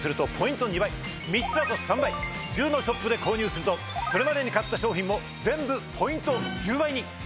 １０のショップで購入するとそれまでに買った商品も全部ポイント１０倍に！